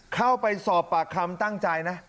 เข้าไปสอบปากคำตั้งใจนะ